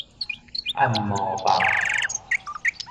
按摩棒